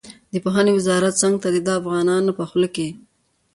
د پوهنې وزارت څنګ ته د ده افغانان په خوله کې.